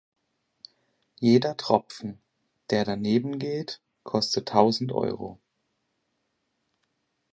Jeder Tropfen, der daneben geht, kostet tausend Euro.